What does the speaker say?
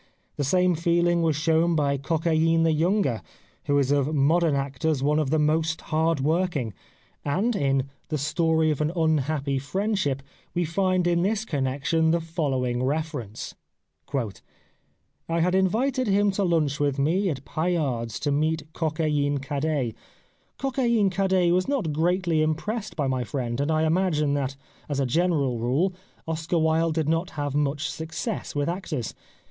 The same feeling was shown by Coquelin the younger, who is of 196 The Life of Oscar Wilde modern actors one of the most hardworking, and in The Story of an Unhappy Friendship " we find in this connection the following reference :'* I had invited him to lunch with me at Paillard's to meet Coquelin cadet. ... Coquelin cadet was not greatly impressed by my friend ; and I imagine that, as a general rule, Oscar Wilde did not have much success with actors.